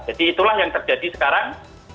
jadi itulah yang terjadi sekarang